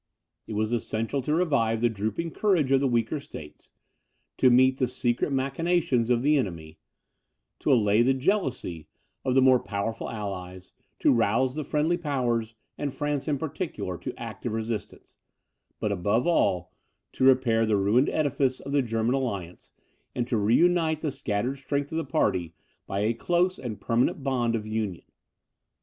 It was essential to revive the drooping courage of the weaker states, to meet the secret machinations of the enemy, to allay the jealousy of the more powerful allies, to rouse the friendly powers, and France in particular, to active assistance; but above all, to repair the ruined edifice of the German alliance, and to reunite the scattered strength of the party by a close and permanent bond of union.